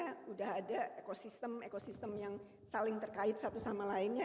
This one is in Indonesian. sudah ada ekosistem ekosistem yang saling terkait satu sama lainnya